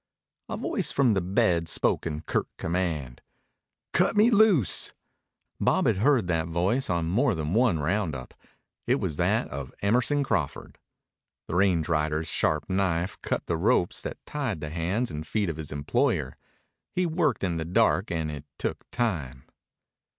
A voice from the bed spoke in curt command. "Cut me loose." Bob had heard that voice on more than one round up. It was that of Emerson Crawford. The range rider's sharp knife cut the ropes that tied the hands and feet of his employer. He worked in the dark and it took time.